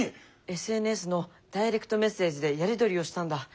ＳＮＳのダイレクトメッセージでやり取りをしたんだ。